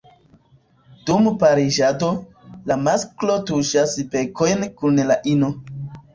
Dum pariĝado, la masklo tuŝas bekojn kun la ino.